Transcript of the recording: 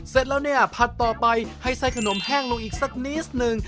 เสร็จแล้วเนี่ยผัดต่อไปให้ไส้ขนมแห้งลงอีกสักนิดหนึ่ง